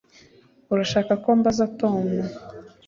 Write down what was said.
Urashaka ko mbaza Tom